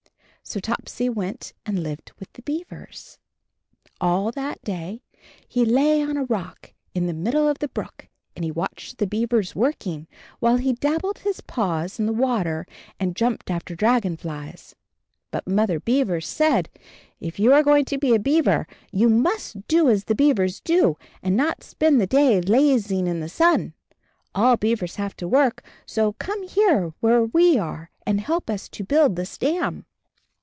So Topsy went and lived with the beavers. All that day he lay on a rock, in the mid dle of the brook, and he watched the beavers working, while he dabbled his paws in the water and jumped after dragon flies. But Mother Beaver said, "If you are go ing to be a beaver, you must do as the AND HIS KITTEN TOPSY 23 beavers do, and not spend the day lazing in the sun. All beavers have to work, so come here where we are and help us to build this dam."